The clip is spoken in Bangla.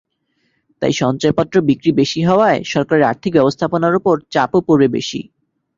তাই সঞ্চয়পত্র বিক্রি বেশি হওয়ায় সরকারের আর্থিক ব্যবস্থাপনার ওপর চাপও পড়বে বেশি।